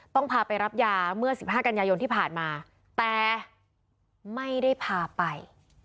พาไปรับยาเมื่อ๑๕กันยายนที่ผ่านมาแต่ไม่ได้พาไป